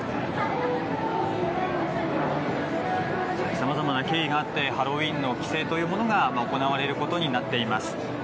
さまざまな経緯があってハロウィーンの規制というものが行われることになっています。